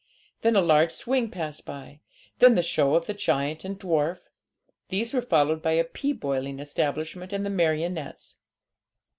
Then a large swing passed by, then the show of the giant and dwarf; these were followed by a pea boiling establishment and the marionettes.